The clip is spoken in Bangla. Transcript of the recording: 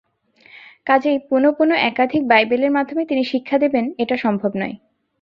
কাজেই পুনঃপুন একাধিক বাইবেলের মাধ্যমে তিনি শিক্ষা দেবেন, এটা সম্ভব নয়।